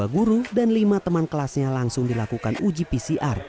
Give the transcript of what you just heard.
dua guru dan lima teman kelasnya langsung dilakukan uji pcr